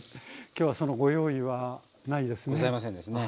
今日はそのご用意はないですね。